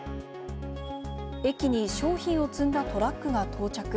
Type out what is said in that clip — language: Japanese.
駅に商品を積んだトラックが到着。